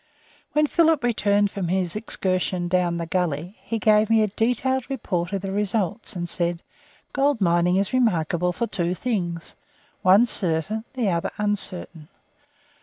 When Philip returned from his excursion down the gully, he gave me a detailed report of the results and said, "Gold mining is remarkable for two things, one certain, the other uncertain.